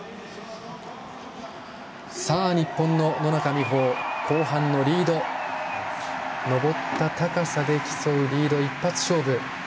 日本の野中生萌後半のリード、登った高さで競うリード、一発勝負。